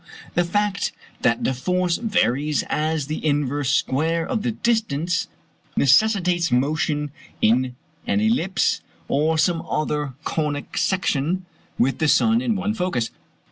The fact that the force varies as the inverse square of the distance, necessitates motion in an ellipse, or some other conic section, with the sun in one focus.